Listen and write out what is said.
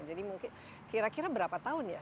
jadi mungkin kira kira berapa tahun ya